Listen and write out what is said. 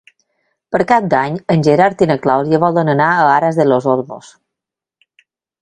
Per Cap d'Any en Gerard i na Clàudia volen anar a Aras de los Olmos.